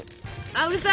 ・あうるさ！